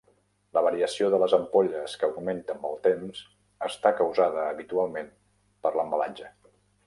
La variació de les ampolles que augmenta amb el temps està causada habitualment per l'embalatge.